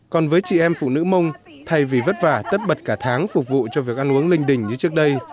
còn với chị em phụ nữ mông thay vì vất vả tất bật cả tháng phục vụ cho việc ăn uống linh đình như trước đây